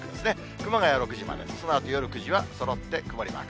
熊谷は６時まで、そのあと夜９時はそろって曇りマーク。